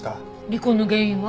離婚の原因は？